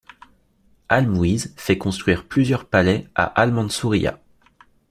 Al-Muizz fait construire plusieurs palais à Al-Mansuriya.